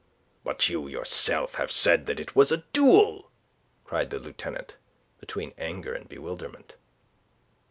"But you yourself have said that it was a duel!" cried the Lieutenant, between anger and bewilderment.